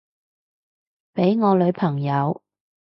畀我女朋友